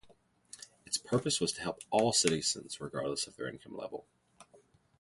Its purpose was to help all citizens regardless of their income level.